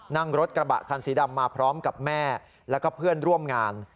นั่งรถกระบะคันสีดำมาพร้อมกับแม่แล้วก็เพื่อนร่วมงาน